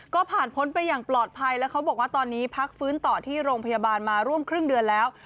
ก็ผ่านพ้นไปอย่างปลอดภัยแล้วเขาบอกว่าตอนนี้พักฟื้นต่อที่โรงพยาบาลมาร่วมครึ่งเดือนแล้ว